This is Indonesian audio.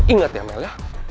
ingat ya mel ya